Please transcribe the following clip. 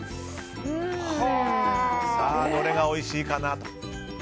さあ、どれがおいしいかな。